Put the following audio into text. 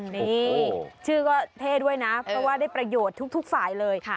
นี่ชื่อก็เท่ด้วยนะเพราะว่าได้ประโยชน์ทุกฝ่ายเลย